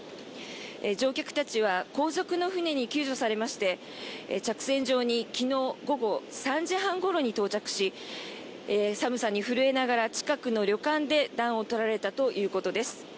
乗客たちは後続の船に救助されまして着船場に昨日午後３時半ごろに到着し寒さに震えながら、近くの旅館で暖を取られたということです。